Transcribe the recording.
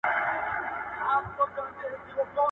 • د بل دروازه مه وهه په نوک، چي ستا دروازه ونه وهي په سوک.